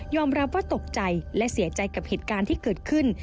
รับว่าตกใจและเสียใจกับเหตุการณ์ที่เกิดขึ้น